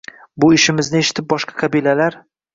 Bu ishimizni eshitib boshqa qabilalar